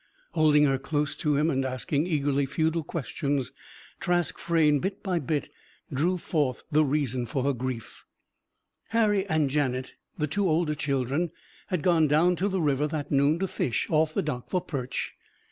Holding her close to him and asking eagerly futile questions, Trask Frayne, bit by bit, drew forth the reason for her grief. Harry and Janet, the two older children, had gone down to the river, that noon, to fish, off the dock, for perch.